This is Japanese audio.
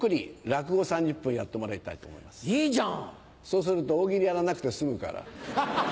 そうすると大喜利やらなくて済むから。